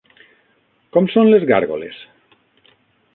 Com són les gàrgoles?